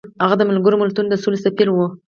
هغه د ملګرو ملتونو د سولې سفیر و.